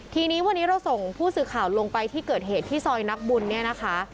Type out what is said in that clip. ทีนี้วันนี้เราส่งผู้สื่อข่าวลงไปที่เกิดเหตุที่ซอยนักบุญเนี่ยนะคะ